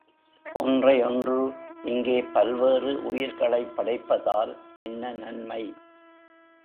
ஒன்றை ஒன்று இங்கே பல்வேறு உயிர்களைப் படைப்பதால் என்ன நன்மை?